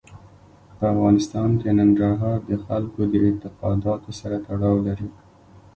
په افغانستان کې ننګرهار د خلکو د اعتقاداتو سره تړاو لري.